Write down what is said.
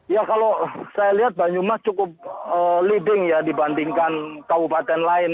ya kalau saya lihat banyumas cukup leading ya dibandingkan kabupaten lain